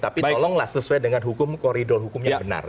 tapi tolonglah sesuai dengan hukum koridor hukum yang benar